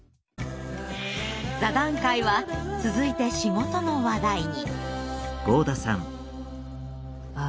座談会は続いて仕事の話題に。